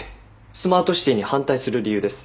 スマートシティに反対する理由です。